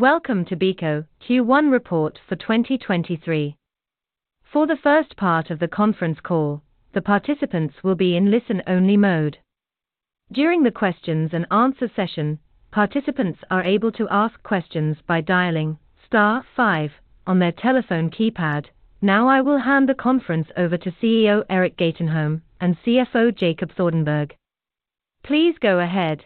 Welcome to BICO Q1 report for 2023. For the first part of the conference call, the participants will be in listen-only mode. During the questions and answer session, participants are able to ask questions by dialing star 5 on their telephone keypad. Now I will hand the conference over to CEO Erik Gatenholm and CFO Jacob Thordenberg. Please go ahead.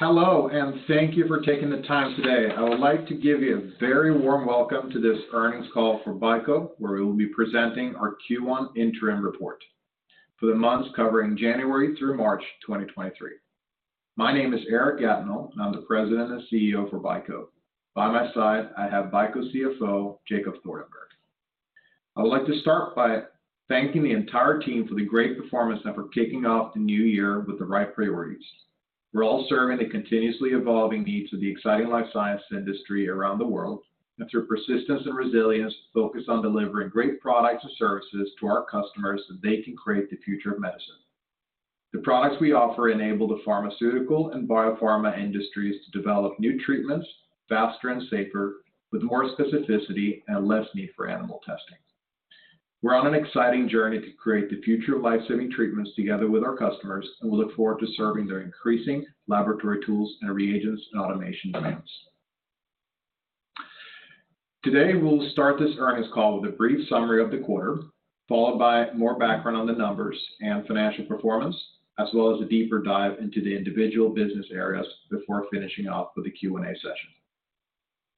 Hello, and thank you for taking the time today. I would like to give you a very warm welcome to this earnings call for BICO, where we will be presenting our Q1 interim report for the months covering January through March 2023. My name is Erik Gatenholm, and I'm the President and CEO for BICO. By my side, I have BICO CFO, Jacob Thordenberg. I would like to start by thanking the entire team for the great performance and for kicking off the new year with the right priorities. We're all serving the continuously evolving needs of the exciting life science industry around the world, and through persistence and resilience, focus on delivering great products and services to our customers, so they can create the future of medicine. The products we offer enable the pharmaceutical and biopharma industries to develop new treatments faster and safer, with more specificity and less need for animal testing. We're on an exciting journey to create the future of life-saving treatments together with our customers, and we look forward to serving their increasing laboratory tools and reagents and automation demands. We'll start this earnings call with a brief summary of the quarter, followed by more background on the numbers and financial performance, as well as a deeper dive into the individual business areas before finishing off with a Q&A session.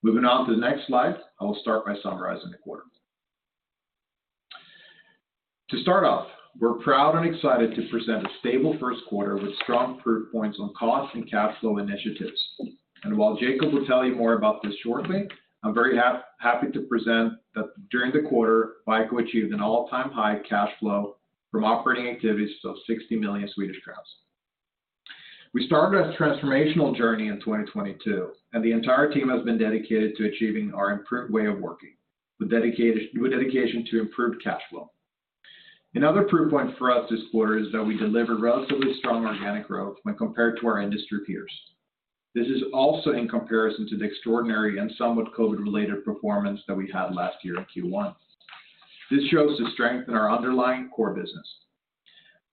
I will start by summarizing the quarter. We're proud and excited to present a stable Q1 with strong proof points on cost and capital initiatives. While Jacob will tell you more about this shortly, I'm very happy to present that during the quarter, BICO achieved an all-time high cash flow from operating activities of 60 million Swedish crowns. We started a transformational journey in 2022, and the entire team has been dedicated to achieving our improved way of working with dedication to improved cash flow. Another proof point for us this quarter is that we delivered relatively strong organic growth when compared to our industry peers. This is also in comparison to the extraordinary and somewhat COVID-related performance that we had last year in Q1. This shows the strength in our underlying core business.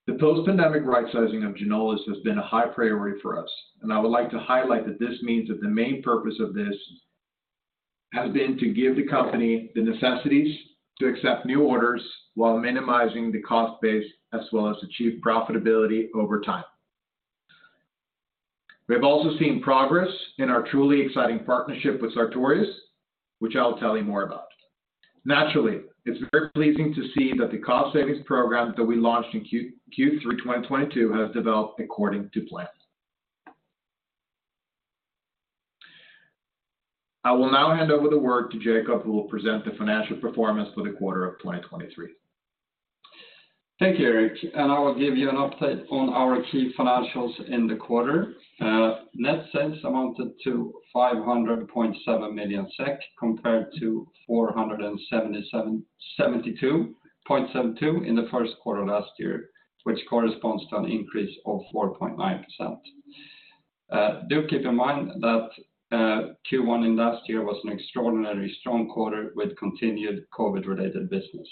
The post-pandemic rightsizing of Ginolis has been a high priority for us, and I would like to highlight that this means that the main purpose of this has been to give the company the necessities to accept new orders while minimizing the cost base, as well as achieve profitability over time. We have also seen progress in our truly exciting partnership with Sartorius, which I'll tell you more about. Naturally, it's very pleasing to see that the cost savings program that we launched in Q3 2022 has developed according to plan. I will now hand over the word to Jacob, who will present the financial performance for the quarter of 2023. Thank you, Erik. I will give you an update on our key financials in the quarter. Net sales amounted to 500.7 million SEK compared to 472.72 in the Q1 last year, which corresponds to an increase of 4.9%. Do keep in mind that Q1 in last year was an extraordinarily strong quarter with continued COVID-related business.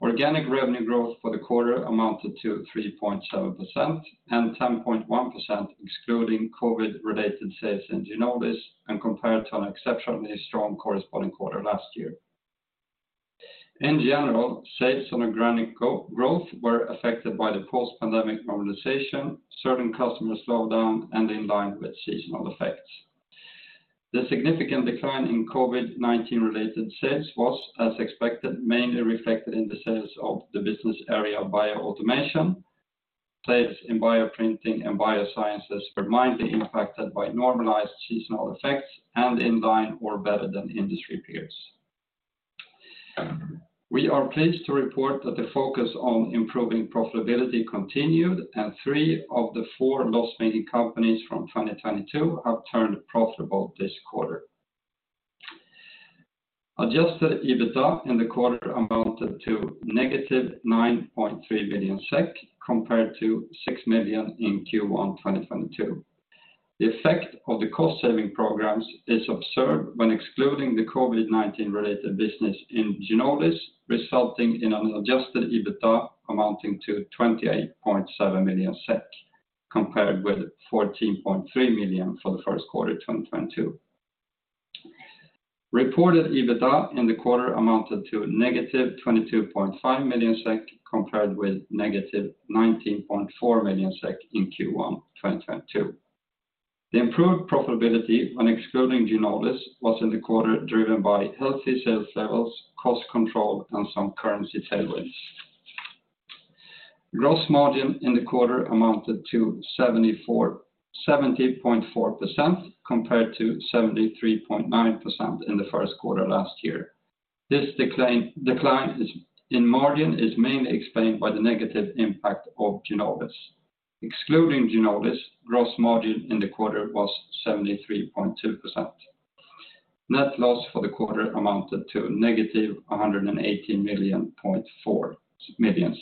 Organic revenue growth for the quarter amounted to 3.7% and 10.1% excluding COVID-related sales in Ginolis and compared to an exceptionally strong corresponding quarter last year. In general, sales on organic go-growth were affected by the post-pandemic mobilization, certain customer slowdown, and in line with seasonal effects. The significant decline in COVID-19 related sales was, as expected, mainly reflected in the sales of the business area Bioautomation. Sales in Bioprinting and Biosciences were mildly impacted by normalized seasonal effects and in line or better than industry peers. We are pleased to report that the focus on improving profitability continued, and three of the four loss-making companies from 2022 have turned profitable this quarter. Adjusted EBITDA in the quarter amounted to negative 9.3 million SEK compared to 6 million in Q1 2022. The effect of the cost-saving programs is observed when excluding the COVID-19 related business in Ginolis, resulting in an adjusted EBITDA amounting to 28.7 million SEK compared with 14.3 million for the Q1 2022. Reported EBITDA in the quarter amounted to negative 22.5 million SEK compared with negative 19.4 million SEK in Q1 2022. The improved profitability when excluding Ginolis was in the quarter driven by healthy sales levels, cost control, and some currency tailwinds. Gross margin in the quarter amounted to 70.4% compared to 73.9% in the Q1 last year. This decline in margin is mainly explained by the negative impact of Ginolis. Excluding Ginolis, gross margin in the quarter was 73.2%. Net loss for the quarter amounted to negative 180.4 million.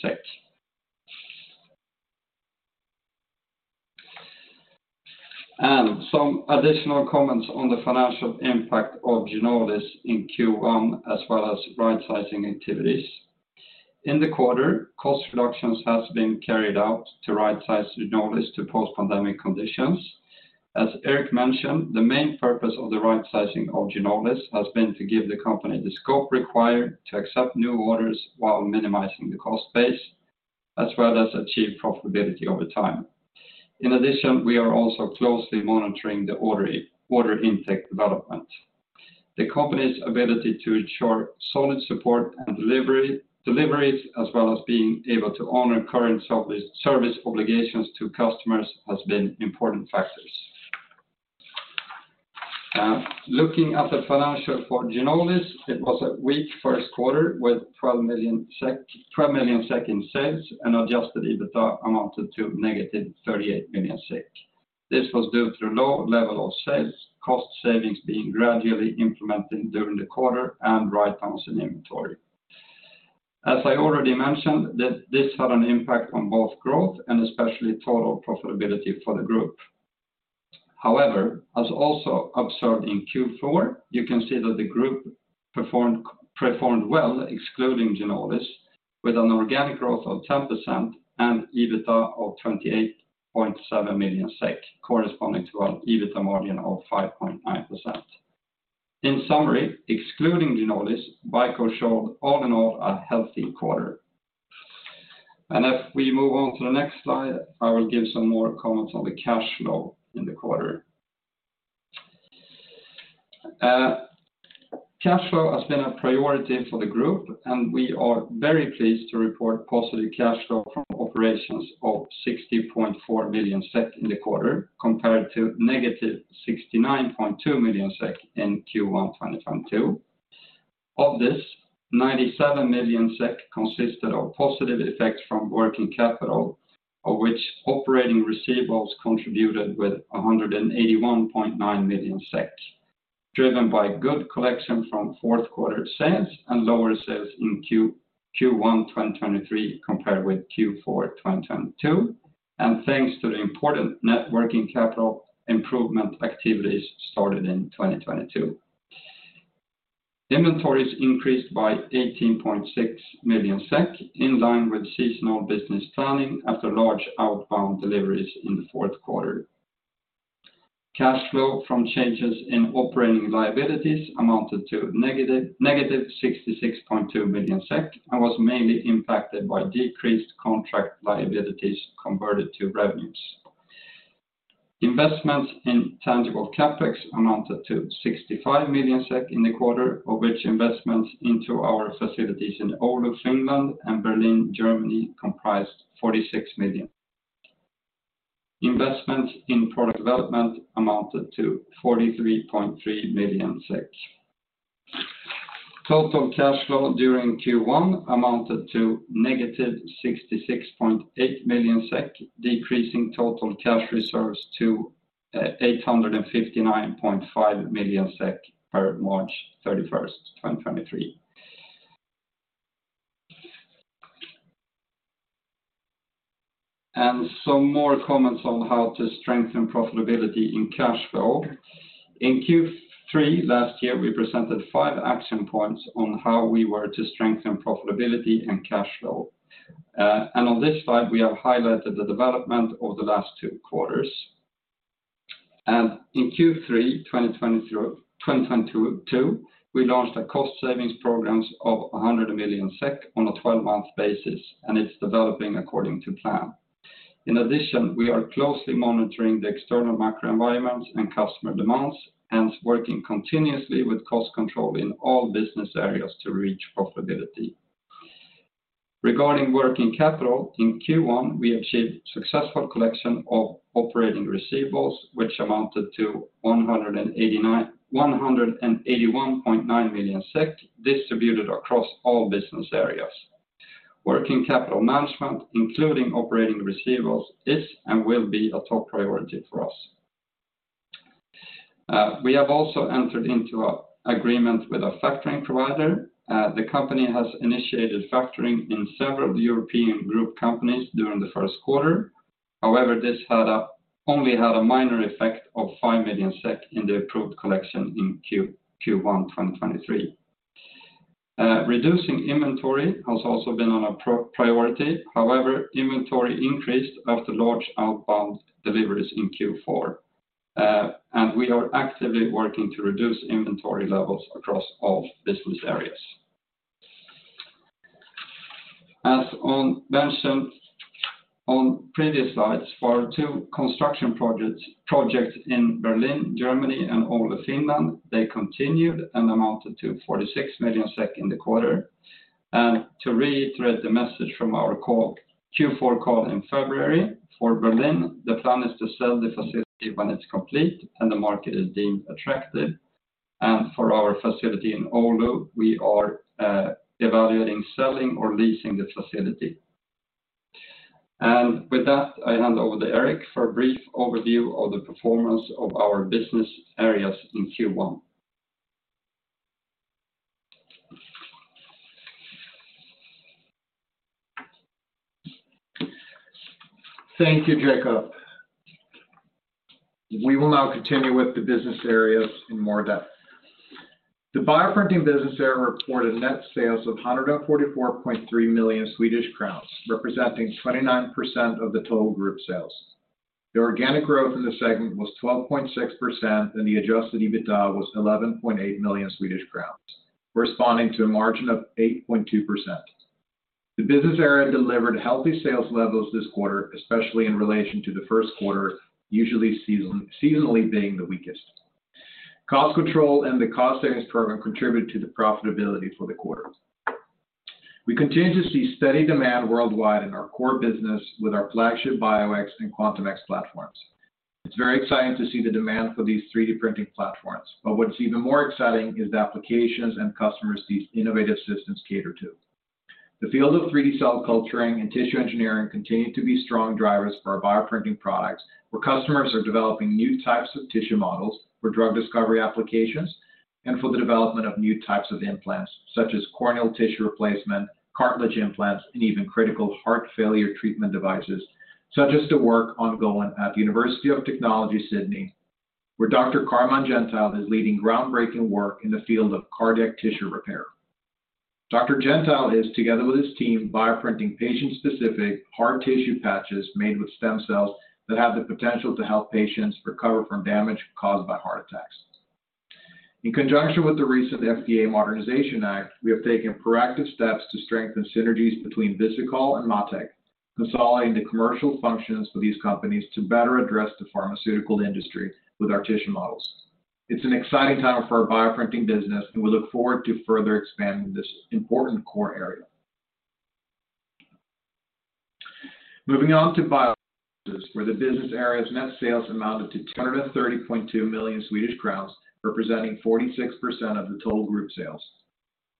Some additional comments on the financial impact of Ginolis in Q1 as well as right sizing activities. In the quarter, cost reductions has been carried out to right size Ginolis to post-pandemic conditions. As Eric mentioned, the main purpose of the right sizing of Ginolis has been to give the company the scope required to accept new orders while minimizing the cost base, as well as achieve profitability over time. In addition, we are also closely monitoring the order intake development. The company's ability to ensure solid support and deliveries, as well as being able to honor current service obligations to customers has been important factors. Looking at the financial for Ginolis, it was a weak Q1 with 12 million SEK in sales and adjusted EBITDA amounted to negative 38 million SEK. This was due to low level of sales, cost savings being gradually implemented during the quarter and write downs in inventory. As I already mentioned, this had an impact on both growth and especially total profitability for the group. However, as also observed in Q4, you can see that the group performed well excluding Ginolis with an organic growth of 10% and EBITDA of 28.7 million SEK corresponding to an EBITDA margin of 5.9%. In summary, excluding Ginolis, BICO showed all in all a healthy quarter. If we move on to the next slide, I will give some more comments on the cash flow in the quarter. Cash flow has been a priority for the group, we are very pleased to report positive cash flow from operations of 60.4 million SEK in the quarter, compared to negative 69.2 million SEK in Q1 2022. Of this, 97 million SEK consisted of positive effects from net working capital, of which operating receivables contributed with 181.9 million, driven by good collection fromQ4sales and lower sales in Q1 2023 compared with Q4 2022, and thanks to the important net working capital improvement activities started in 2022. Inventories increased by 18.6 million SEK, in line with seasonal business planning after large outbound deliveries in the Q4. Cash flow from changes in operating liabilities amounted to negative 66.2 million SEK and was mainly impacted by decreased contract liabilities converted to revenues. Investments in tangible CapEx amounted to 65 million SEK in the quarter, of which investments into our facilities in Oulu, Finland and Berlin, Germany comprised 46 million. Investments in product development amounted to 43.3 million. Total cash flow during Q1 amounted to negative 66.8 million SEK, decreasing total cash reserves to 859.5 million SEK per March 31, 2023. Some more comments on how to strengthen profitability in cash flow. In Q3 last year, we presented five action points on how we were to strengthen profitability and cash flow. On this slide, we have highlighted the development over the last Q2. In Q3 2022, we launched a cost savings programs of 100 million SEK on a 12-month basis, and it's developing according to plan. In addition, we are closely monitoring the external macro environment and customer demands, hence working continuously with cost control in all business areas to reach profitability. Regarding working capital, in Q1, we achieved successful collection of operating receivables, which amounted to 181.9 million SEK distributed across all business areas. Working capital management, including operating receivables, is and will be a top priority for us. We have also entered into a agreement with a factoring provider. The company has initiated factoring in several of the European group companies during the Q1. However, this only had a minor effect of 5 million SEK in the approved collection in Q1 2023. Reducing inventory has also been on a priority. However, inventory increased after large outbound deliveries in Q4. We are actively working to reduce inventory levels across all business areas. As mentioned on previous slides, for two construction projects in Berlin, Germany and Oulu, Finland, they continued and amounted to 46 million SEK in the quarter. To reiterate the message from our Q4 call in February, for Berlin, the plan is to sell the facility when it's complete and the market is deemed attractive. For our facility in Oulu, we are evaluating selling or leasing the facility. With that, I hand over to Erik for a brief overview of the performance of our business areas in Q1. Thank you, Jacob. We will now continue with the business areas in more depth. The Bioprinting business area reported net sales of 144.3 million Swedish crowns, representing 29% of the total group sales. The organic growth in the segment was 12.6%, and the adjusted EBITDA was 11.8 million Swedish crowns, corresponding to a margin of 8.2%. The business area delivered healthy sales levels this quarter, especially in relation to the Q1, usually seasonally being the weakest. Cost control and the cost savings program contributed to the profitability for the quarter. We continue to see steady demand worldwide in our core business with our flagship BIO X and Quantum X platforms. It's very exciting to see the demand for these 3D printing platforms, but what's even more exciting is the applications and customers these innovative systems cater to. The field of 3D cell culturing and tissue engineering continue to be strong drivers for our Bioprinting products, where customers are developing new types of tissue models for drug discovery applications and for the development of new types of implants, such as corneal tissue replacement, cartilage implants, and even critical heart failure treatment devices, such as the work ongoing at the University of Technology Sydney, where Dr. Carmine Gentile is leading groundbreaking work in the field of cardiac tissue repair. Dr. Gentile is, together with his team, bioprinting patient-specific heart tissue patches made with stem cells that have the potential to help patients recover from damage caused by heart attacks. In conjunction with the recent FDA Modernization Act, we have taken proactive steps to strengthen synergies between Visikol and MatTek, consolidating the commercial functions for these companies to better address the pharmaceutical industry with our tissue models. It's an exciting time for our Bioprinting business, and we look forward to further expanding this important core area. Moving on to Bio where the business area's net sales amounted to 230.2 million Swedish crowns, representing 46% of the total group sales.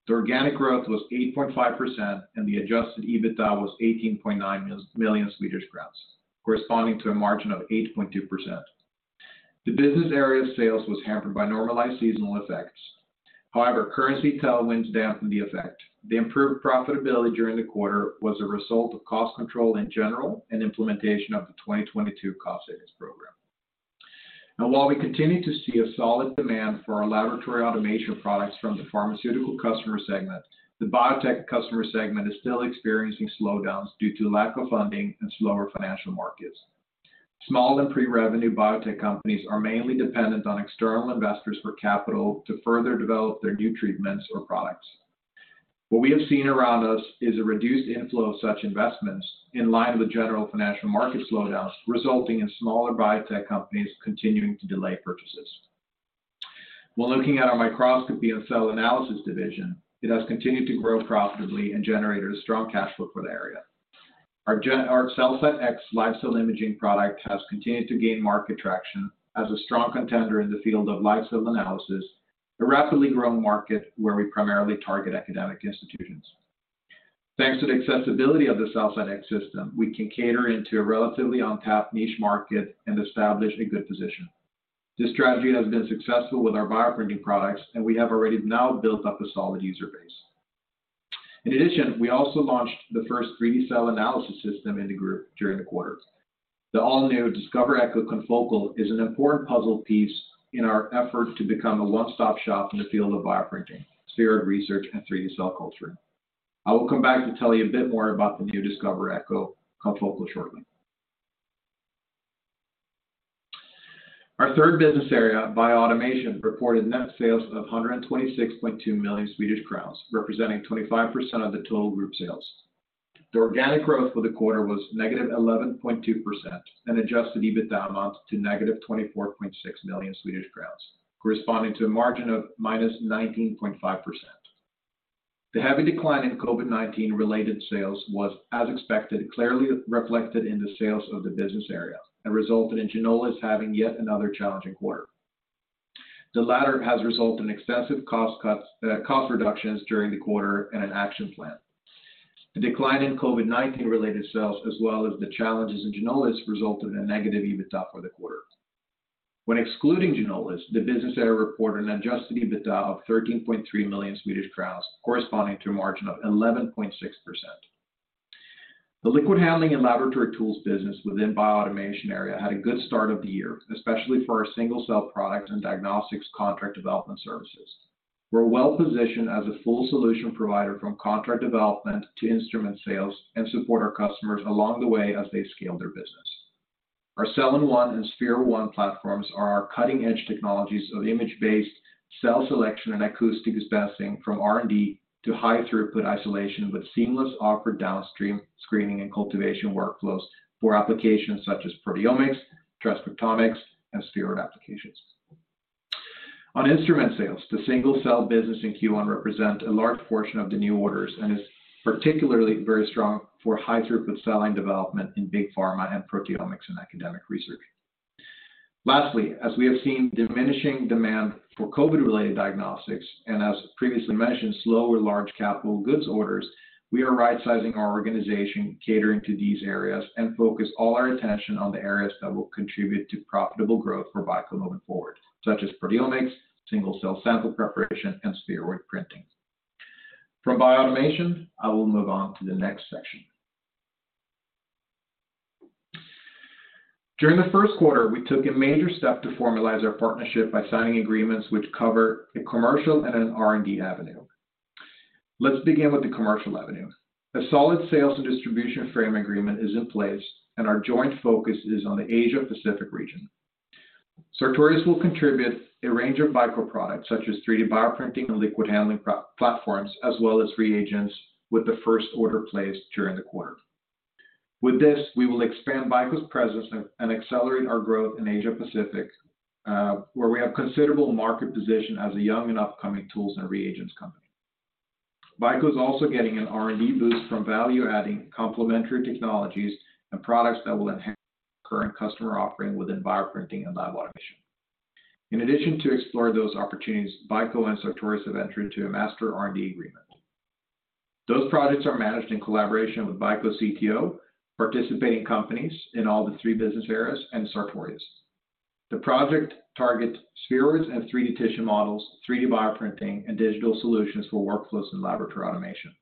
The organic growth was 8.5%, and the adjusted EBITDA was 18.9 million Swedish crowns, corresponding to a margin of 8.2%. The business area sales was hampered by normalized seasonal effects. However, currency tailwinds dampened the effect. The improved profitability during the quarter was a result of cost control in general and implementation of the 2022 cost savings program. While we continue to see a solid demand for our laboratory automation products from the pharmaceutical customer segment, the biotech customer segment is still experiencing slowdowns due to lack of funding and slower financial markets. Small and pre-revenue biotech companies are mainly dependent on external investors for capital to further develop their new treatments or products. What we have seen around us is a reduced inflow of such investments in line with general financial market slowdowns, resulting in smaller biotech companies continuing to delay purchases. Looking at our microscopy and cell analysis division, it has continued to grow profitably and generated a strong cash flow for the area. Our CELLCYTE X live cell imaging product has continued to gain market traction as a strong contender in the field of live cell analysis, a rapidly growing market where we primarily target academic institutions. Thanks to the accessibility of the CELLCYTE X system, we can cater into a relatively untapped niche market and establish a good position. This strategy has been successful with our Bioprinting products, we have already now built up a solid user base. In addition, we also launched the first 3D cell analysis system in the group during the quarter. The all-new Discover Echo Confocal is an important puzzle piece in our effort to become a one-stop shop in the field of Bioprinting, sphere research and 3D cell culture. I will come back to tell you a bit more about the new Discover Echo Confocal shortly. Our third business area, Bioautomation, reported net sales of 126.2 million Swedish crowns, representing 25% of the total group sales. The organic growth for the quarter was -11.2% and adjusted EBITDA amount to -24.6 million Swedish crowns, corresponding to a margin of -19.5%. The heavy decline in COVID-19 related sales was, as expected, clearly reflected in the sales of the business area and resulted in Ginolis having yet another challenging quarter. The latter has resulted in excessive cost cuts, cost reductions during the quarter and an action plan. The decline in COVID-19 related sales, as well as the challenges in Ginolis, resulted in a negative EBITDA for the quarter. When excluding Ginolis, the business area reported an adjusted EBITDA of 13.3 million Swedish crowns, corresponding to a margin of 11.6%. The liquid handling and laboratory tools business within Bioautomation area had a good start of the year, especially for our single cell products and diagnostics contract development services. We're well-positioned as a full solution provider from contract development to instrument sales and support our customers along the way as they scale their business. Our cellenONE and spheroONE platforms are our cutting-edge technologies of image-based cell selection and acoustic dispensing from R&D to high-throughput isolation with seamless offered downstream screening and cultivation workflows for applications such as proteomics, transcriptomics, and spheroid applications. On instrument sales, the single cell business in Q1 represent a large portion of the new orders and is particularly very strong for high-throughput cell line development in big pharma and proteomics in academic research. Lastly, as we have seen diminishing demand for COVID-related diagnostics and as previously mentioned, slower large capital goods orders, we are rightsizing our organization catering to these areas and focus all our attention on the areas that will contribute to profitable growth for BICO moving forward, such as proteomics, single-cell sample preparation, and spheroid printing. From Bioautomation, I will move on to the next section. During the Q1, we took a major step to formalize our partnership by signing agreements which cover a commercial and an R&D avenue. Let's begin with the commercial avenue. A solid sales and distribution frame agreement is in place, and our joint focus is on the Asia-Pacific region. Sartorius will contribute a range of BICO products such as 3D bioprinting and liquid handling pro-platforms, as well as reagents with the first order placed during the quarter. With this, we will expand BICO's presence and accelerate our growth in Asia-Pacific, where we have considerable market position as a young and upcoming tools and reagents company. BICO is also getting an R&D boost from value-adding complementary technologies and products that will enhance current customer offering within Bioprinting and lab automation. In addition to explore those opportunities, BICO and Sartorius have entered into a master R&D agreement. Those projects are managed in collaboration with BICO CTO, participating companies in all the 3 business areas, and Sartorius. The project targets spheroids and 3D tissue models, 3D bioprinting, and digital solutions for workflows and laboratory automation.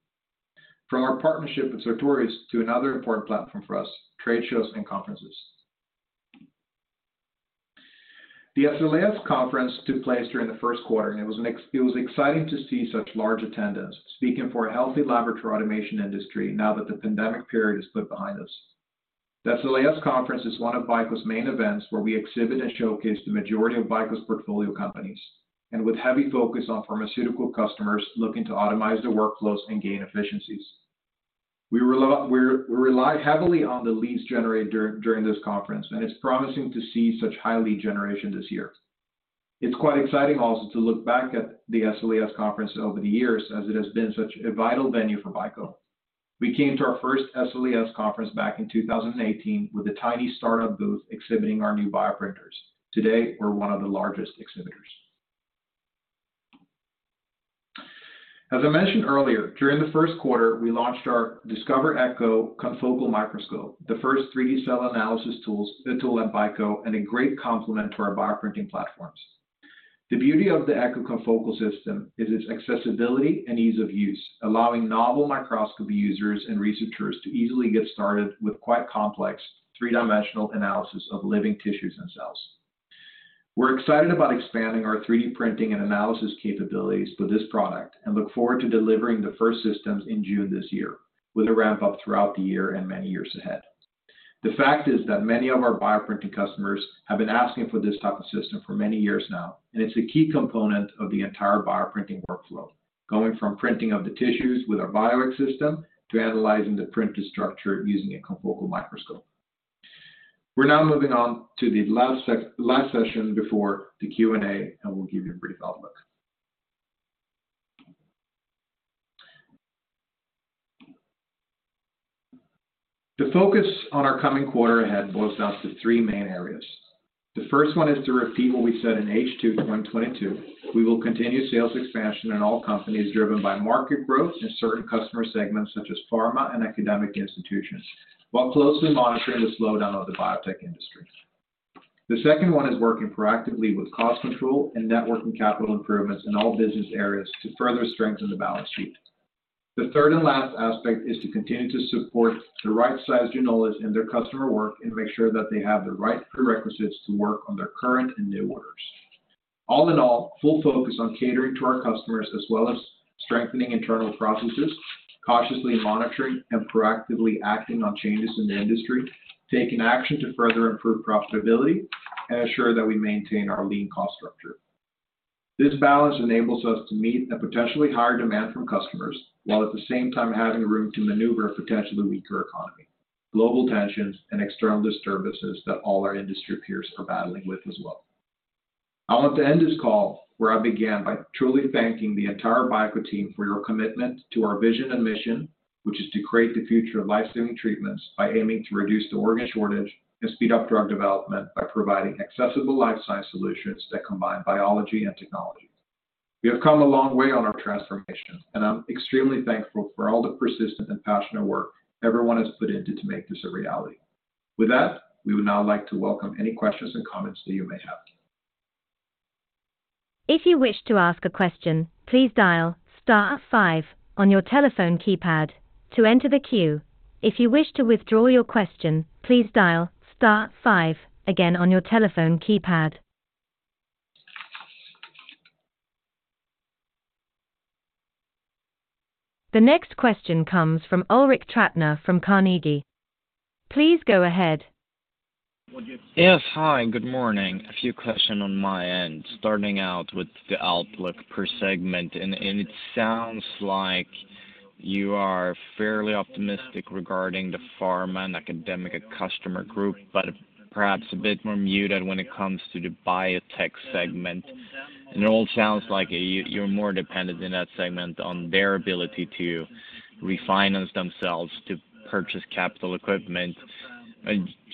From our partnership with Sartorius to another important platform for us, trade shows and conferences. The SLAS conference took place during the Q1. It was exciting to see such large attendance, speaking for a healthy laboratory automation industry now that the pandemic period is put behind us. The SLAS conference is one of BICO's main events where we exhibit and showcase the majority of BICO's portfolio companies, with heavy focus on pharmaceutical customers looking to automate their workflows and gain efficiencies. We rely heavily on the leads generated during this conference. It's promising to see such high lead generation this year. It's quite exciting also to look back at the SLAS conference over the years as it has been such a vital venue for BICO. We came to our first SLAS conference back in 2018 with a tiny startup booth exhibiting our new bioprinters. Today, we're one of the largest exhibitors. As I mentioned earlier, during the Q1, we launched our Discover Echo confocal microscope, the first 3D cell analysis tool at BICO, and a great complement to our Bioprinting platforms. The beauty of the Echo Confocal system is its accessibility and ease of use, allowing novel microscopy users and researchers to easily get started with quite complex 3D analysis of living tissues and cells. We're excited about expanding our 3D printing and analysis capabilities with this product and look forward to delivering the first systems in June this year with a ramp up throughout the year and many years ahead. The fact is that many of our Bioprinting customers have been asking for this type of system for many years now, and it's a key component of the entire Bioprinting workflow, going from printing of the tissues with our BIO X system to analyzing the printed structure using a confocal microscope. We're now moving on to the last session before the Q&A, and we'll give you a brief outlook. The focus on our coming quarter ahead boils down to three main areas. The first one is to repeat what we said in H2 2022. We will continue sales expansion in all companies driven by market growth in certain customer segments such as pharma and academic institutions while closely monitoring the slowdown of the biotech industry. The second one is working proactively with cost control and net working capital improvements in all business areas to further strengthen the balance sheet. The third and last aspect is to continue to support the right-sized Ginolis in their customer work and make sure that they have the right prerequisites to work on their current and new orders. All in all, full focus on catering to our customers as well as strengthening internal processes, cautiously monitoring and proactively acting on changes in the industry, taking action to further improve profitability and ensure that we maintain our lean cost structure. This balance enables us to meet a potentially higher demand from customers while at the same time having room to maneuver a potentially weaker economy, global tensions, and external disturbances that all our industry peers are battling with as well. I want to end this call where I began by truly thanking the entire BICO team for your commitment to our vision and mission, which is to create the future of life-saving treatments by aiming to reduce the organ shortage and speed up drug development by providing accessible life-size solutions that combine biology and technology. We have come a long way on our transformation, and I'm extremely thankful for all the persistent and passionate work everyone has put into to make this a reality. With that, we would now like to welcome any questions and comments that you may have. If you wish to ask a question, please dial star five on your telephone keypad to enter the queue. If you wish to withdraw your question, please dial star five again on your telephone keypad. The next question comes from Ulrik Trattner from Carnegie. Please go ahead. Yes. Hi, good morning. A few question on my end, starting out with the outlook per segment. It sounds like you are fairly optimistic regarding the pharma and academic customer group, but perhaps a bit more muted when it comes to the biotech segment. It all sounds like you're more dependent in that segment on their ability to refinance themselves to purchase capital equipment.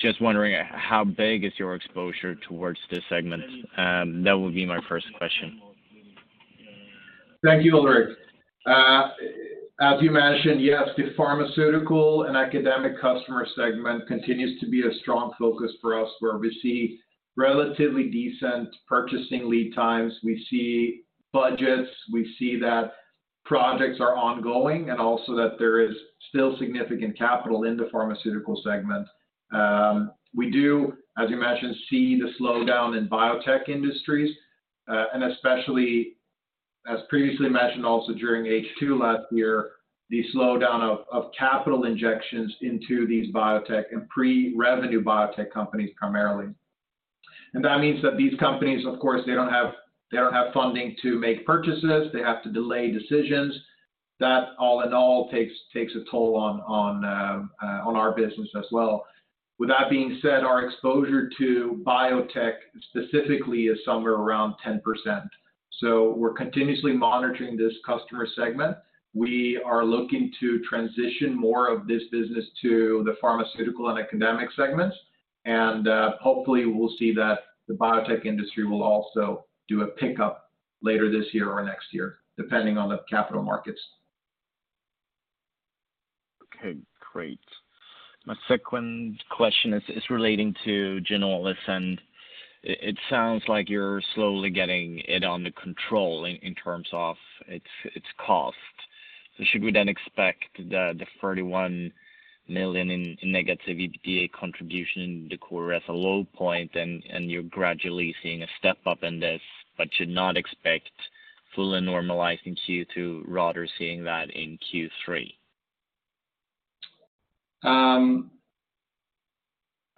Just wondering how big is your exposure towards this segment? That would be my first question. Thank you, Ulrik. As you mentioned, yes, the pharmaceutical and academic customer segment continues to be a strong focus for us where we see relatively decent purchasing lead times, we see budgets, we see that projects are ongoing and also that there is still significant capital in the pharmaceutical segment. We do, as you mentioned, see the slowdown in biotech industries, and especially as previously mentioned also during H2 last year, the slowdown of capital injections into these biotech and pre-revenue biotech companies primarily. That means that these companies, of course, they don't have funding to make purchases, they have to delay decisions. That all in all takes a toll on our business as well. With that being said, our exposure to biotech specifically is somewhere around 10%. We're continuously monitoring this customer segment. We are looking to transition more of this business to the pharmaceutical and academic segments, and, hopefully we'll see that the biotech industry will also do a pickup later this year or next year, depending on the capital markets. Okay, great. My second question is relating to Ginolis, and it sounds like you're slowly getting it under control in terms of its cost. Should we then expect the 31 million in negative EBITDA contribution in the quarter as a low point and you're gradually seeing a step up in this, but should not expect fully normalizing Q2, rather seeing that in Q3?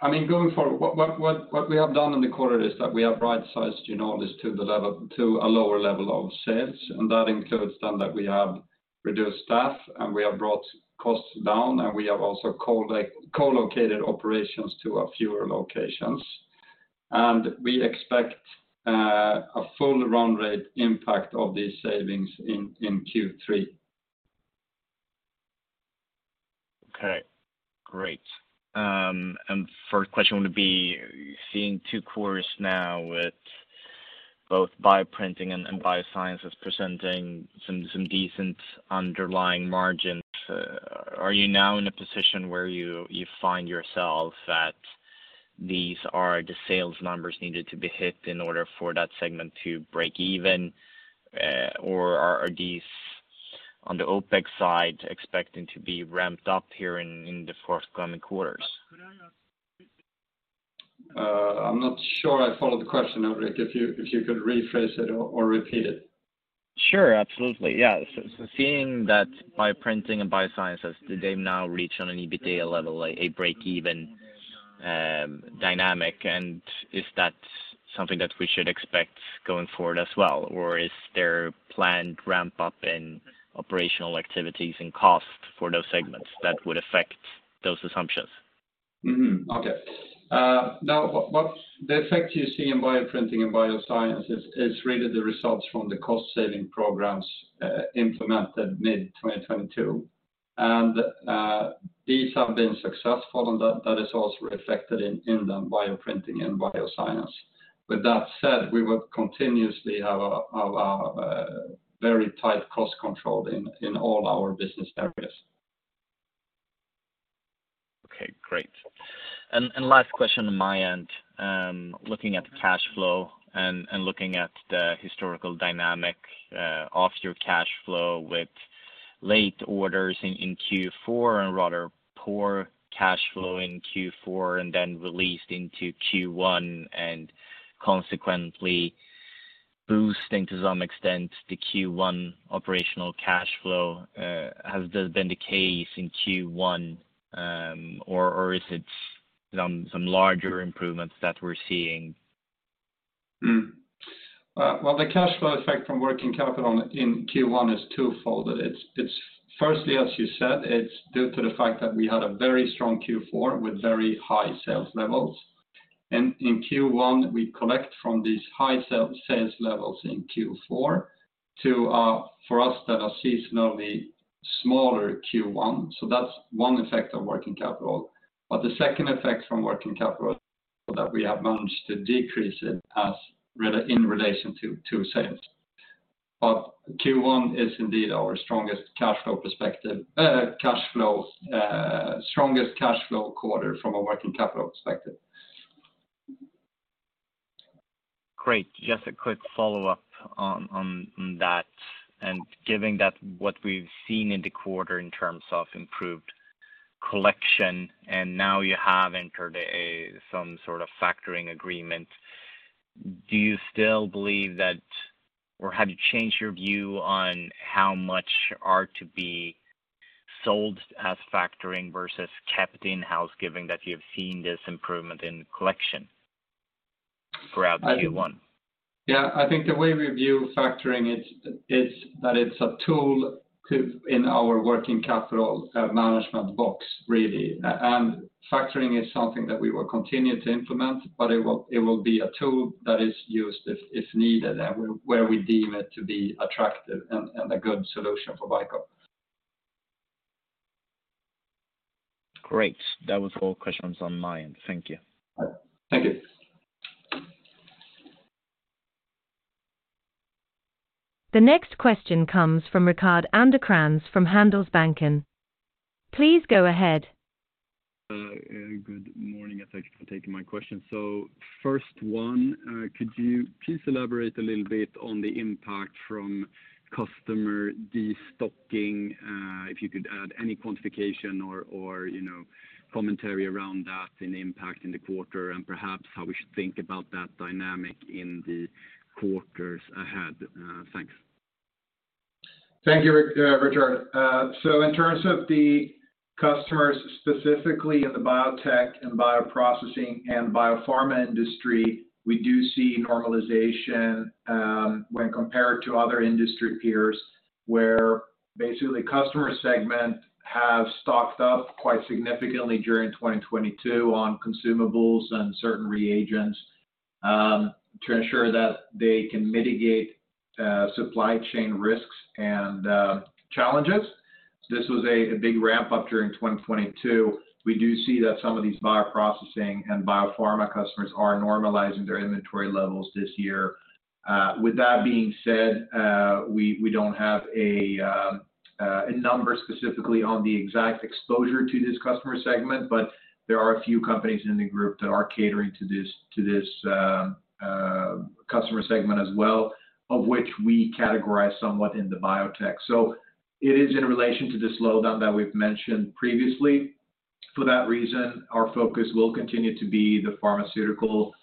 I mean, going forward, what we have done in the quarter is that we have right-sized Ginolis to a lower level of sales, and that includes then that we have reduced staff, and we have brought costs down, and we have also co-located operations to a fewer locations. We expect a full run rate impact of these savings in Q3. Okay, great. Third question would be seeing Q2 now with both Bioprinting and Biosciences presenting some decent underlying margins, are you now in a position where you find yourself that these are the sales numbers needed to be hit in order for that segment to break even, or are these on the OpEx side expecting to be ramped up here in the forthcoming quarters? I'm not sure I follow the question, Ulrik. If you could rephrase it or repeat it. Sure. Absolutely, yeah. Seeing that Bioprinting and Biosciences, do they now reach on an EBITDA level a break even dynamic? Is that something that we should expect going forward as well? Is there planned ramp up in operational activities and costs for those segments that would affect those assumptions? Mm-hmm. Okay. The effect you see in Bioprinting and Biosciences is really the results from the cost-saving programs, implemented mid-2022. These have been successful, and that is also reflected in them, Bioprinting and Bioscience. With that said, we will continuously have a very tight cost control in all our business areas. Okay, great. Last question on my end, looking at cash flow and looking at the historical dynamic of your cash flow with late orders in Q4 and rather poor cash flow in Q4 and then released into Q1 and consequently boosting to some extent the Q1 operational cash flow, has this been the case in Q1, or is it some larger improvements that we're seeing? Well, the cash flow effect from working capital in Q1 is twofold. It's firstly, as you said, it's due to the fact that we had a very strong Q4 with very high sales levels. In Q1, we collect from these high sales levels in Q4 to, for us that are seasonally smaller Q1. That's one effect of working capital. The second effect from working capital that we have managed to decrease it as in relation to sales. Q1 is indeed our strongest cash flow perspective, cash flow strongest cash flow quarter from a working capital perspective. Great. Just a quick follow-up on that. Given that what we've seen in the quarter in terms of improved collection, and now you have entered some sort of factoring agreement, do you still believe that or have you changed your view on how much are to be sold as factoring versus kept in-house given that you've seen this improvement in collection throughout Q1? Yeah. I think the way we view factoring is that it's a tool in our working capital management box really. Factoring is something that we will continue to implement, but it will be a tool that is used if needed and where we deem it to be attractive and a good solution for CELLINK. Great. That was all questions on my end. Thank you. Thank you. The next question comes from Rickard Anderkrans from Handelsbanken. Please go ahead. Good morning. Thanks for taking my question. First one, could you please elaborate a little bit on the impact from customer destocking? If you could add any quantification or, you know, commentary around that and the impact in the quarter, and perhaps how we should think about that dynamic in the quarters ahead. Thanks. Thank you, Rickard. In terms of the customers specifically in the biotech and bioprocessing and biopharma industry, we do see normalization when compared to other industry peers, where basically customer segment have stocked up quite significantly during 2022 on consumables and certain reagents to ensure that they can mitigate supply chain risks and challenges. This was a big ramp-up during 2022. We do see that some of these bioprocessing and biopharma customers are normalizing their inventory levels this year. With that being said, we don't have a number specifically on the exact exposure to this customer segment, but there are a few companies in the group that are catering to this customer segment as well, of which we categorize somewhat in the biotech. It is in relation to the slowdown that we've mentioned previously. For that reason, our focus will continue to be the pharmaceutical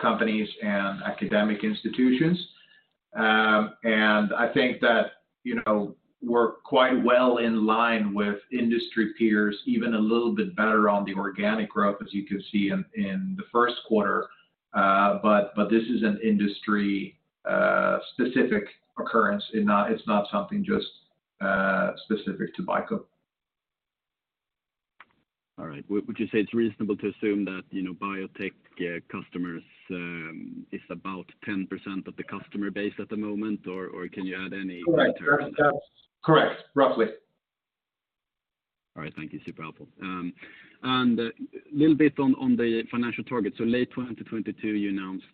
companies and academic institutions. I think that, you know, we're quite well in line with industry peers, even a little bit better on the organic growth, as you can see in the Q1. This is an industry specific occurrence. It's not something just specific to BICO. All right. Would you say it's reasonable to assume that, you know, biotech customers is about 10% of the customer base at the moment, or can you add any commentary on that? Correct. That's correct. Roughly. All right. Thank you. Super helpful. A little bit on the financial targets. Late 2022, you announced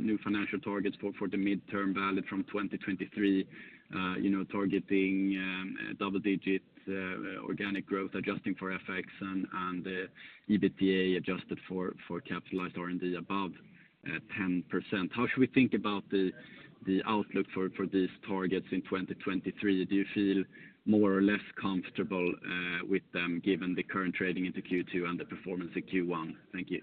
new financial targets for the midterm, valid from 2023, you know, targeting double-digit organic growth, adjusting for FX and EBITDA adjusted for capitalized R&D above 10%. How should we think about the outlook for these targets in 2023? Do you feel more or less comfortable with them, given the current trading into Q2 and the performance in Q1? Thank you.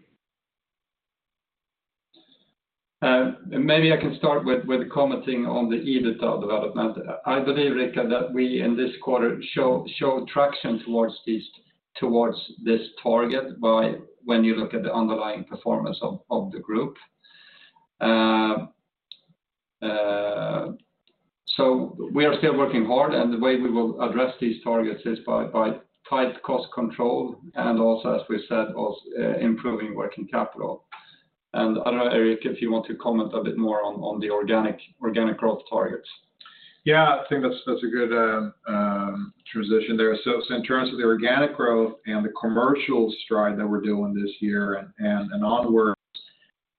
maybe I can start with commenting on the EBITDA development. I believe, Rickard, that we in this quarter show traction towards this target by when you look at the underlying performance of the group. We are still working hard, and the way we will address these targets is by tight cost control and also, as we said, improving working capital. I don't know, Erik, if you want to comment a bit more on the organic growth targets. Yeah. I think that's a good transition there. In terms of the organic growth and the commercial stride that we're doing this year and onwards,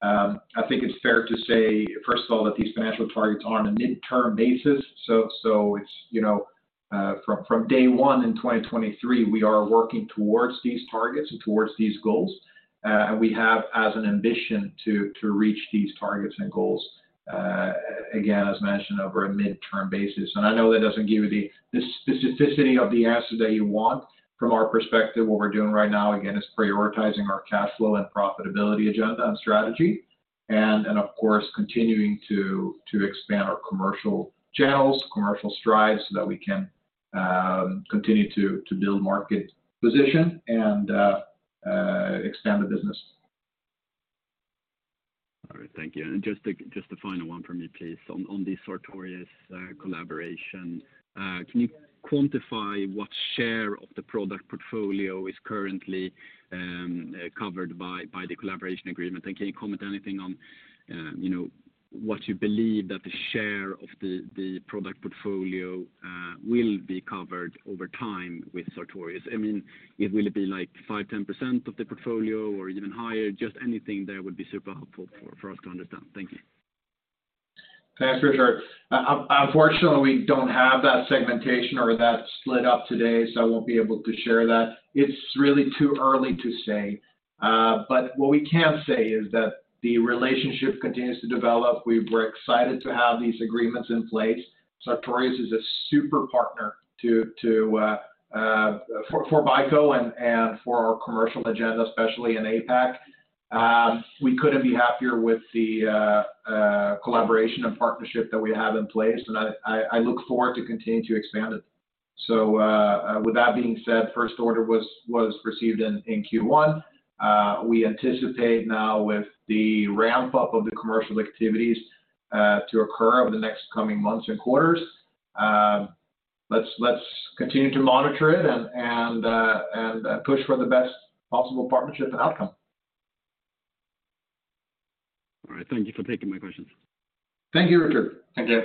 I think it's fair to say, first of all, that these financial targets are on a midterm basis. It's, you know, from day one in 2023, we are working towards these targets and towards these goals. We have as an ambition to reach these targets and goals, again, as mentioned, over a midterm basis. I know that doesn't give you the specificity of the answer that you want. From our perspective, what we're doing right now, again, is prioritizing our cash flow and profitability agenda and strategy and of course, continuing to expand our commercial channels, commercial strides, so that we can continue to build market position and expand the business. All right. Thank you. Just a final one from me, please, on the Sartorius collaboration. Can you quantify what share of the product portfolio is currently covered by the collaboration agreement? Can you comment anything on, you know, what you believe that the share of the product portfolio will be covered over time with Sartorius? I mean, will it be, like, 5%, 10% of the portfolio or even higher? Just anything there would be super helpful for us to understand. Thank you. Thanks, Rickard. Unfortunately, we don't have that segmentation or that split up today, I won't be able to share that. It's really too early to say. What we can say is that the relationship continues to develop. We're excited to have these agreements in place. Sartorius is a super partner to for BICO and for our commercial agenda, especially in APAC. We couldn't be happier with the collaboration and partnership that we have in place, I look forward to continuing to expand it. With that being said, first order was received in Q1. We anticipate now with the ramp-up of the commercial activities to occur over the next coming months and quarters. Let's continue to monitor it and push for the best possible partnership and outcome. All right. Thank you for taking my questions. Thank you, Rickard. Thank you.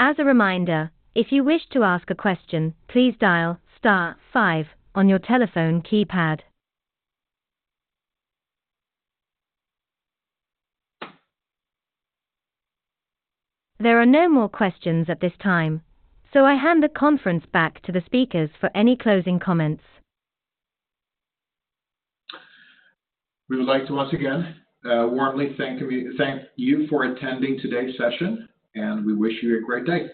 As a reminder, if you wish to ask a question, please dial star 5 on your telephone keypad. There are no more questions at this time, I hand the conference back to the speakers for any closing comments. We would like to once again, warmly thank you for attending today's session, and we wish you a great day.